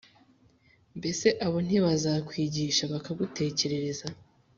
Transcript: mbese abo ntibazakwigisha bakagutekerereza,